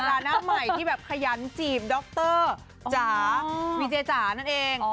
ราหน้าใหม่ที่แบบขยันจีบดรจ๋าวีเจจ๋านั่นเอง